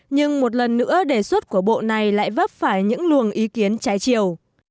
nhưng một lần nữa đề xuất của bộ này lại vấp phải những luồng ý kiến trái chiều